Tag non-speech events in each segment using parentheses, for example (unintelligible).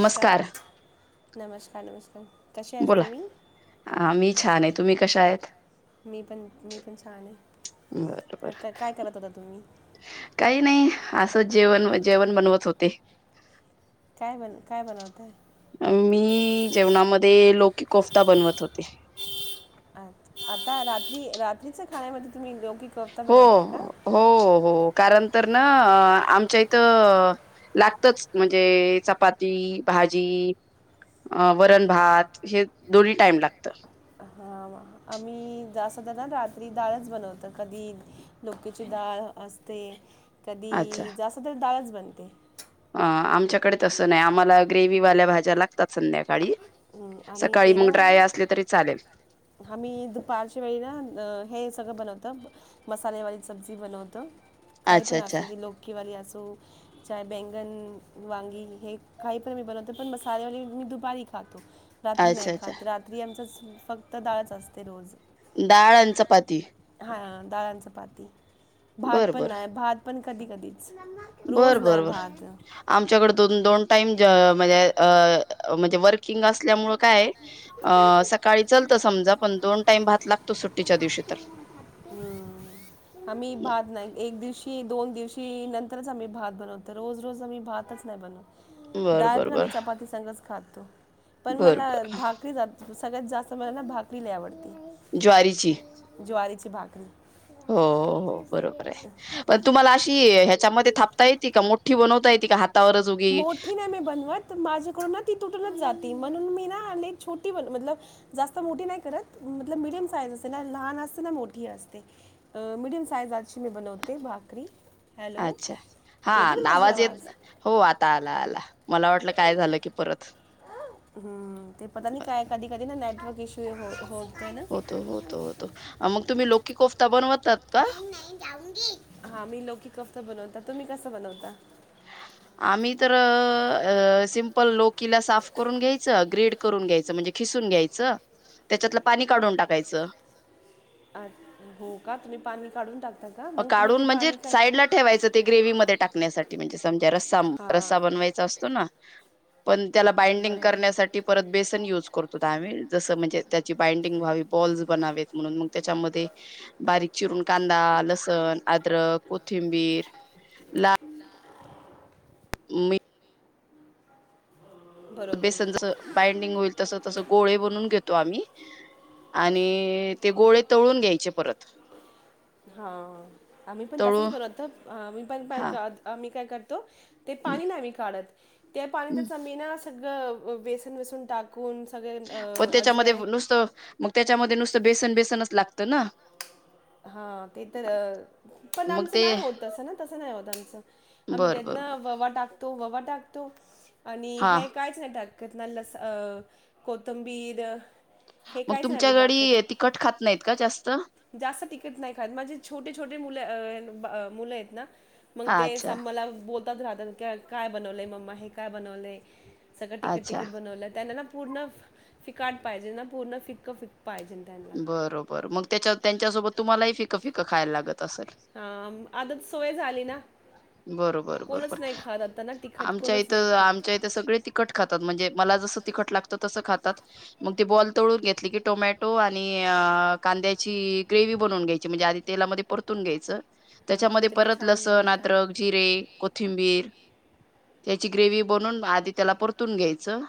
नमस्कार नमस्कार नमस्कार. कसे आहेत बोला तुम्ही ह मी छान आहे. तुम्ही कशा आहेत? मी पण मी पन छान आहे. बरोबर क- काय करत होता तुम्ही काही नाही. असं जेवण जेवण बनवत होते. काय बन काय बनवताय. मी जेवणामध्ये लोक कोफ्ता बनवत होते. अ आता रात्री रात्रीच खाण्यामध्ये तुम्ही लौकी कोफ्ता हो बनवताय का हो हो कारण तर ना आमच्या इथं लागतच म्हणजे चपाती भाजी वरण भात हे दोन्ही टाईम लागत. हा आम्ही जा असध ना रात्री डाळच बनवत कधी डोकेची डाळ असते. अच्छा कधी जास्त (unintelligible) अ आमच्याकडे तसं नाही आम्हाला ग्रेव वाल्या भाज्या लागतात संध्याकाळी. हम् आणि सकाळी ते मग ना ड्राय असले तरी चालेल आम्ही दुपारच्या वेळी ना हे सगळं बनवतो. तब मसाले सब्जी बनव त काही अच्छा पण अच्छा असे लो वी अस. बैंगण वांगी हे कााही पण मी बनवते पण मसाले वगैरे मी दुपारी खातो. रात्री नाही अच्छा अच्छा खात रात्री आमच. फक्त डाळच असते रोज डाळ आणि चपाती डाळ चपाती. भात बर पण बर नाही भात पण. कधी कधी? रोज बर नाहीय बर बर भाात. आमच्याकडे दोन दोन टाईम म्हणजे म्हणजे वर्किंग असल्यामुळ ह समजा पण दोन टाइम भात लागतो सुट्टीच्या दिवशी तर आम्ही भात नाही एक दिवशी दोन दिवशी. की नंतरच आम्ही भात बनवतो रोज रोज आम्ही भातच नाही बनवत. बर डाळ बर पण बर आम्ही चपाती सघच खात तो. पण बर मला भाकरी जात सगळ्यात जास्त मला भाकरीला आवडते. ज्वारीची ची बाकरी हो हो बरोबर आहे पण तुम्हाला अशी मध्ये थापता येते का मोठी बनवता येते का हात मोठी नाही मी बनवत, माझ्याकडून म ती तुटूनच जाती म्हणून मी ना छोटी म जास्त मोठी नाही करत म मीडियम साईज असते ना लहान असते ना मोठी असते मिडयम साईजची मी बनवते भाकरी. हॅलो अच्छा हा येते ना माझी आवाज येत हो आ ता आला आला. मला वाटलं काय झालं की परत हम्म ते पता नाय काय कधी कधी ना नेटवर्क इशू हे हो होग् होतो होतो होतो मग तुम्ही लौकि कोफ्ता बनवत हा मी लौकि कोफ्ता बनवते. तर तुम्ही कसं बनवता? आम्ही तर सिमपल लोकीला साफ करून घ्यायच ग्रेड करून घ्यायचं म्हणजे खिसून घ्यायचं त्याच्यातलं पाणी काढून टाकायचं अ हो का तु पाणी काढून टाक काढून म्हणजे साईडला ठेवायचं, ते ग्रेव मध्ये टाकण्यासाठी म्हणजे समजा रस्सा रस्सा हां बनवायचा असतो ना पण त्याला बाइंडिंग करण्यासाठी परत बेसन युज करतो आम्ही. जस म्हणजे त्याची बाइंडिंग व्हावी बॉल्स बनावेत म्हणून मग त्याच्यामध्ये बारीक चिरून कांदा, ल मी बरोबर बेसन जस बाइंडिंग होईल तस तस गोळे बनून घेतो आम्ही. आणि ते गोळे तळून घ्यायचे परत हा आम्ही पण तसच तळून बनवतो, पण हा काय आम्ही काय करत तो. ते पाणी नाय मी काढत त्या पाणी त्याचा मेना सगळं वेसन वेसून टाक पण त्याच्यामध्ये नुसत मग त्याच्यामध्ये नुसतं बेसन बेसनच लाग त ना? हा ते तर पण मग आमचं ते नाही होतसं ना तस नाही होत आमचं आम्ही बर त्यात बर ना बर वोवा टाक तो ववा टाकतो. आणि हा हे कायचं नाही टाक कतना लस अ कोतंबीर मग तुमच्याकडी तीखट खात नाहीत का जास्त? जास्त तिकट नाही खात. माझे छोटे छोटे मुलं अं बा मुलं आहेत ना. मग हा ते असं अच्छा मला ब लत राहतात की काय बनवलंय मम्मा? हे काय बनवलेय? सगळं तिकट अच्छा तिकट बनवलं. त्यांना ना पूर्ण फिकाट पाहिजे ना. पूर्ण फिक्क फिक बरोबर मग त्याच्या त्यांच्यासोबत तुम्हाला ही फींक फिकं खायला लागत असेल हा आम आता सवय झाली ना. बरोबर कोणच बरोबर. नाही खात आता ना तिखट आमच्या कोणच इथं आमच्या इथे सगळे तिकट खातात. म्हणजे मला जस तिखट लागत तसं खातात. मग ती बॉल तळून घेतली की टोमॅटो आणि कांद्याची ग्रेवी बनवून घ्यायची. म्हणजे आधी तेलामध्ये परतून घ्यायचं. त्याच्यामध्ये तर लय परत लसण आद अद्रक, जिरे, कोथिंबीर, त्याची ग्रेवी बनून आधी त्याला परतून घ्यायचं.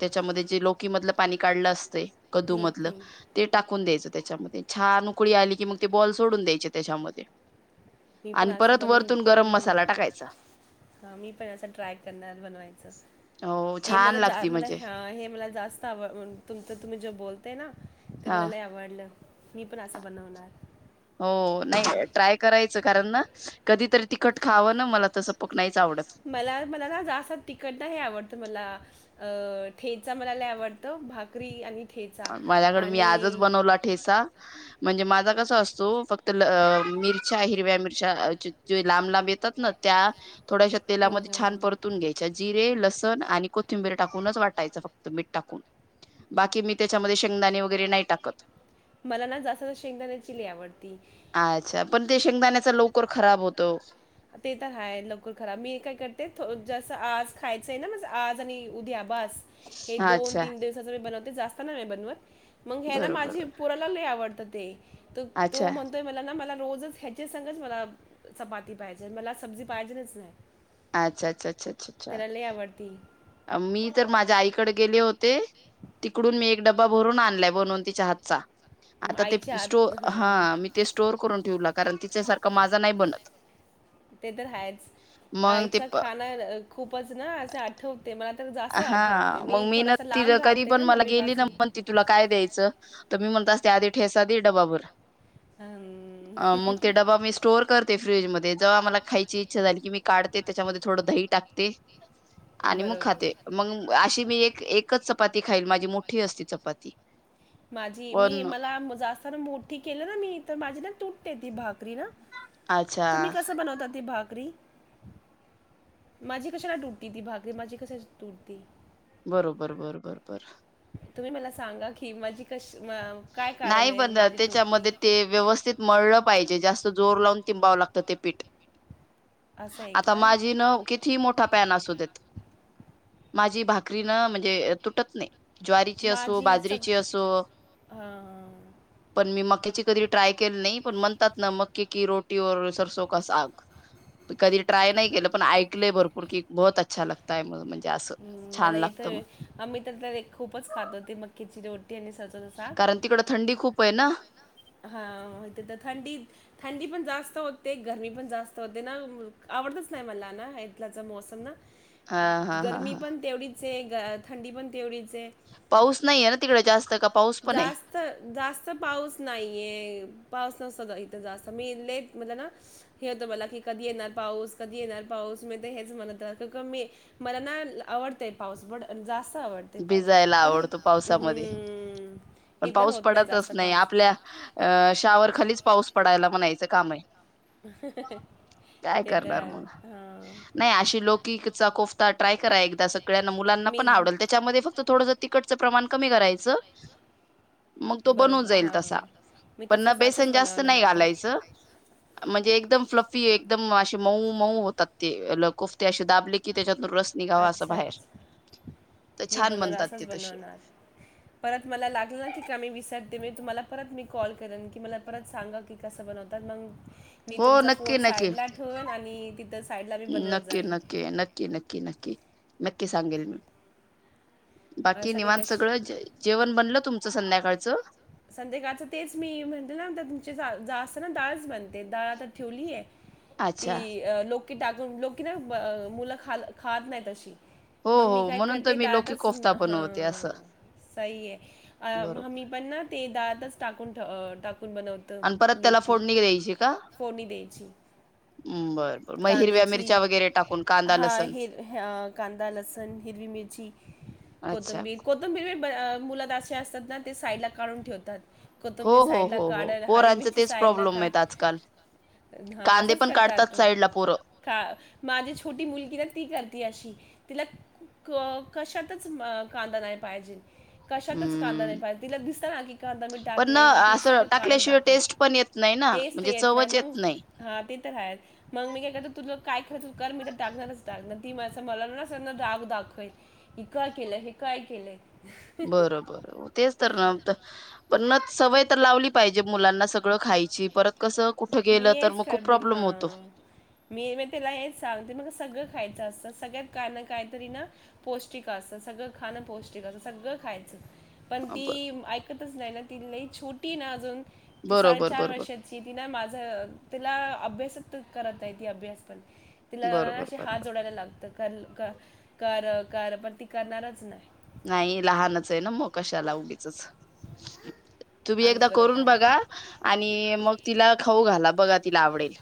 त्याच्यामध्ये जे लौकी मधलं पाणी काढलं असतय ठीक ठीक. कदुमधलं ते टाकून द्यायचं. त्याच्यामध्ये. छान ऊकळी आली कि मग ते बॉल सोडून द्यायचे त्याच्यामध्ये. मी पण आणि अस परत बणवून वरतून गरम बनवून मसाला टाकायचा हा, मी पण अस ट्राय करणार बनवायच. हो हे म छान लागती मला म्हणजे हे मला जास्त जास्त आव तुमच तुम्ही ज ते ना, ते हा मला लय आवडलं. मी पण असं बनवणार. हो, नाही ट्राय करायचं. कारण ना कधीतरी तिखट खावं ना. मला तर सपक नाही मला मला ना जास्त तिकट नाही आवडत मला. अ ठेचा मला लयी आवडतं भाकरी आणि ठेचा माझ्याकडे अच्छा, मी तुम्ही आजच आणि बनवला ठेचा. म्हणजे माझा कसा असतो फक् (unintelligible) च्या हिरव्या मिरच्या, जे लांब लांब येतात ना त्या, थोड्याश्या तेलामध्ये छान परतून घ्यायच्या. जीर तेल लसण आणि कोथिंबीर टाकून वाटायच फक्त मीठ टाकून बाकी त्याच्यामध्ये शेंगदाणे वगैरे नाही टाकत. मला ना जास्त शेंगण्याचि लयी आवडती. अच्छा पण ते शेंगदाण्याच लवकर खराब होतं. ते तर हाय लवकर खराब. मी काय करते जसं आज खायचंय ना आज आणि उद्या बाज हे दोन अच्छा तीन दिवसाच मी बनवते. जास्त नाही मी बनवत. मग हे ना बरोबर माझी पुराला लयी आवडत. ते. तर अच्छा तो म्हणतोय मला ना मला रोज च हेच्या संगच मला चपाती पाहिजे मला सब्जी पाहिजेलंच नाही. अच्छा अच्छा अच्छा अच्छ अच्छा. त्याला लय आवडती अ मी तर माझ्या आईकडे गेले होते, तिकडून मी एक डब्बा भरून आणलाय बनवून तिच्या हातचा. आता ते आईच्या स्टो हात हा हां मी ते स्टोवर करून ठेवू लाग कारण तिच्या सारखा माझा नाही बनत. ते तर हायच. मग ते आईचा खाण खूपच ना असे आठवते, मला तर जास्त हा आठवते मग मी ना थोडासा ति लांब कधी राहते पण ना मला गेली ना मम्मीपासून म्हण त तुला काय द्यायचं? तर मी म्हणत असते आधी ठेसा दे डबाभर. हम्म. अ मग ते डबा मी स्टोर करते फ्रीज म ते जवा मला खायची इच्छा झाली की मी काढते, त्याच्यामध्ये थोडं दही टाकते. आणि म बरोबर खाते. मग अशी मी एक एकच च पाती खाईन माझी मोठी असती चपाती. माझी मी पण मला जास्ताना मोठी केली ना मी तर माझी ना तूट ते ती भाक री ना. अच्छा तुम्ही कसं बनवता ती भाकरी? माझी कशान तुटती ती भाकरी? माझी कशास तुटती? बरोबर बर बर बर. तुम्ही मला सांगा की माझी कशी नाही पण त्याच्यामध्ये ते व्यवस्थित मळं पाहिजे जास्त जोर लावून तिंबावं लागतं ते पीठ. असं आहे का आता माझी न किती मोठा पॅन असू देत. माझी भाकरी न म्हणजे तुटत नाही. तर ज्वारीची असो, माझी थोडंसं सग बाजरीची असो पाणी हां. पण मी मक्याची कधी ट्राय केली नाही. पण म्हणतात, ना मकी की रोटी ओर सरसो का साग. कधी ट्राय नाही केलं. पण ऐकलय भरपर की, बहोत अच्छा लागताय म म्हण हम मला येतय, आम्ही तर खूपच खातो ती मक्याची रोटी आणि सरसोचं कारण तिकडं थंडी खूप आहे ना. हा मा तर थंडी थंडी पण जास्त होते, गरमी पण जास्त होते ना. आवडतच नाही, मला ना इथलाचा मोसम ना हा हा हा हा चे ग थंडी पण तेवढी पाऊस नाहीय ना तिकडे जास्त, का? पाऊस पण आहे. जास्त नाही? जास्त पाऊस नाहीये पाऊस नसत इथ जास्त मी लेट म्हटना, हे होतं मला की कधी येणार पाऊस, कधी येणार पाऊस मी हेच म्हणत मी मला ना आवडतय पाऊस. पण जास्त आवडते पाऊस, भिजायला पण आवडतो पावसामध्ये हम्म! पण हिथं पाऊस होत नाही पडतच जास्त पाऊस. आपल्या अ शावर खालीच पाऊस पडायला म्हणायचं, काम आय. ते मग तरं नाही हाय! अशी लौकिकचा कोफ्ता अ ट्राय करा एकदास सगळ्यांना मुलांना पण आवडेल फक्त थोड तिकटचं प्रमाण कमी करायचं. मग तो बनून बरोबर जाईल हा तसा मी पण ना तसाच असंच बेसन जास्त बनवणार नाही घालायचं, म्हणजे एक एकदम फ्लफी एकदम अे मऊ मऊ होतात ते कोफते अशे दाबले कि त्याच्यातून रस निघावा असं बाहेर. तर मी छान बनवला बनतात असच ते तसे बनवणार परत मला लागलं ना की कमी वि मी तुम्हाला परत मी कॉल करेन की मला परत सांगा की कसं बनवतात मग मी हो तुमचा नक्की फोन नक्की साईड ला ठेवन आणि तिथ साईडला मी बनवत नक्की जाईन. नक्की नक्की नक्की नक्की नक्की सांगेल मी. अं, बाकी सगळे निवांत कश सगळं जेवण बनलं तुमच संध्याकाळचं संध्याकाळचं. संध्याकाळच तेच मी म्हणते, ना तुमचे जास्त ना डाळच बनते डाळ आता ठेवलीय. अच्छा ती अ लोक की टाकून लोक की ना मुलं खा खात नाहीत अशी. हो मंग मी हो काय म्हणून तर करते मी डाळ, लोकी कोफ्ता हा बनवते असं सही हे अ मंग बरोबर मी पण ना. ते दातच टाकून बनवत आणि परत त्याला लोकी फोडणी द्यायची का फोडणी द्यायची बर बर मग हिरव्या कांद्याची मिरच्या वगैरे टाकून कांदा हा लसण कांदा, लसण, हिरवी मिरची, अच्छा कोथंबीर, कोथंबीर मुल तर असे आसतात, ना ते साईटला काढून ठेवतात. हो कोथंबीर हो साईड ला हो हो काढलं हरी पोरांच मिरची तेच साईडला प्रॉब्लेम आहेत आजकाल काढलं हा कांदे असंच पण काढतात करतात, साईडला पोरं का माझी छोटी मुलगी ना ती करते अशी. तिला क कशातच म कांदा नाही पाहिजेल. कशातच कांदा नाही हम्म पाहिजे, तिला दिस कांदा मी पण ना टाकले मग असं सगळं काढून टाकल्याशिवाय टाकते, टेस्ट पण येत नाही ना टेस्ट म्हणजे येत नाही, चवच मग हा ते तर हाय, मग मी काय करते, तुला काय करायचंय ते कर, मी तर टाकणारच. ती मां मला ना अस ना राग दाखवेल, हे काय केलं, हे काय केलंय. बरोबर, तेच तर ना (unintelligible) पण ना सवय तर लावली पाहिजे मुलांना सगळं खायची. परत कसं कुठं मी गेलं तर हेच मग खूप काल (unintelligible) प्रॉब्लेम हा, होतो. मी म तीला हेच सांगते म सगळं खायचं असत. सगळ्यात काय ना काहीतरी ना, पौष्टिक अस सगळं खाणं पौष्टिक अस सगळं खायचं. पण ती ब- ऐकत तच नाही ना, ती लई छोटीय ना अजून. ती बरोबर साडेचार बरोबर वर्षाची. तिन मा (unintelligible) तीला अभ्यासत करताय ती अभ्यास पण तिला बरोबर अशी हात बरोबर जोडायला लागतं काल का कार, कार पण ती करणारच नाही. नाही लहानचय ना मग, कशाला उगी चच, तुम्ही आली एकदा परत करून आली बघा, आणि मग तिला खाऊ घाला. बघा तिला आवडेल.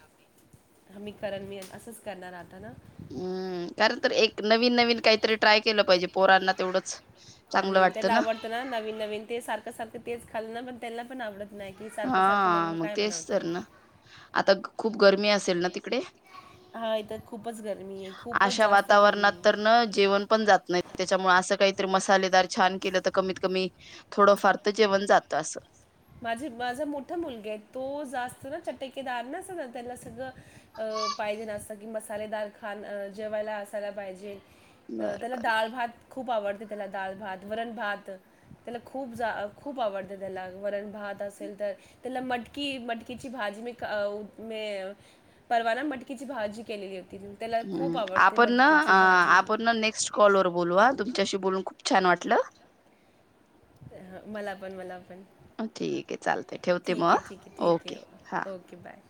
ह मी करण, मी असंच करणार आता ना. हम्म, कारण तर एक नवीन नवीन काहीतरी ट्राय केलं पाहिजे, पोरांना तेवढंच, चांगलं हम् वाटतं त्याला आवडतं ना नवीन - नवीन, ते सारखं- सारखं तेच खाल ना पण त्याला पण आवड हा मग तेच तर ना, आता खूप गरमी असेल ना तिकडे? हा इथं खूपच गरमी आहे खूपच अशा जास्त गरमी वातावरणात आहे तर ना जेवण पण जात नाही. त्याच्यामुळे असं काहीतरी मसाले दार छान केलं तर कमीत कमी, थोडं फार तर जेवण जातं असं माझे माझा मोठा मुलगाय तो, जास्त ना चटकेदार ना अस ना त्याला सगळं अ पाहिजे नास्तं की मसालेदार खाण् जेवायला असायला पाहिजे. बरं त्याला बरं दाळभात खूप आवड त्याला दालभात, वरणभात, त्याला खूप जा खूप आवडते त्याला. वरण भात असेल तर, त्याला मटकी मटकीची भाजी मी का मी परवा ना मटकीची भाजी केलेली त्याला खूप हम्म. आवडते आपण ना मटकीची आ भाजी आपण ना नेक्स्ट कॉल वर बोलू, आ तुमच्याशी बोलून खूप छान न वाटलं. मला पण मला पण ठीकय, चालतय ठेवते ठीक मग आ आहे ठीक आहे ठीक ओके, हा. आहे ओके बाय